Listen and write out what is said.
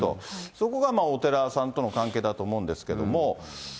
そこがお寺さんとの関係だと思うんですけれども。